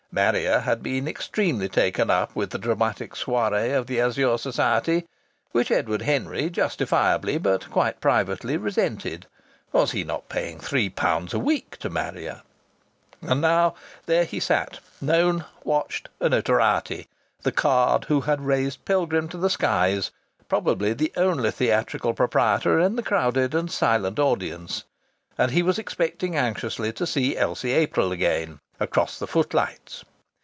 Marrier had been extremely taken up with the dramatic soirée of the Azure Society which Edward Henry justifiably but quite privately resented. Was he not paying three pounds a week to Marrier? And now, there he sat, known, watched, a notoriety, the card who had raised Pilgrim to the skies, probably the only theatrical proprietor in the crowded and silent audience; and he was expecting anxiously to see Elsie April again across the footlights!